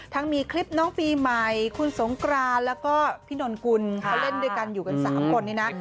มีคลิปน้องปีใหม่คุณสงกรานแล้วก็พี่นนกุลเขาเล่นด้วยกันอยู่กัน๓คนนี้นะ